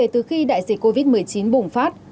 tại dịch covid một mươi chín bùng phát